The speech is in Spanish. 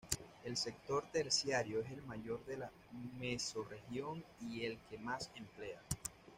El sector terciario es el mayor de la mesorregión y el que más emplea.